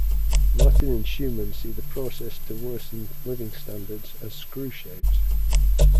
Martin and Schumann see the process to worsened living standards as screw-shaped.